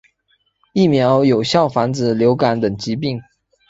疫苗有效防止流感等疾病。